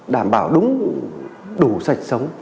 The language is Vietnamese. đảm bảo đúng đủ sạch sống